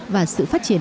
và sự phát triển